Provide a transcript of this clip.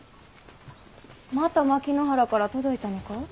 また牧之原から届いたのか。